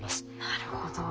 なるほど。